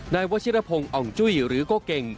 นายวัชิรพงศ์อ่องจุ้ยหรือโก้เก่ง